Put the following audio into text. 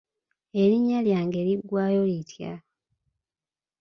Erinnya lyange liggwayo litya?